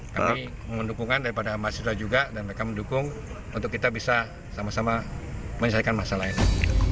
kami mohon dukungan daripada mahasiswa juga dan mereka mendukung untuk kita bisa sama sama menyelesaikan masalah ini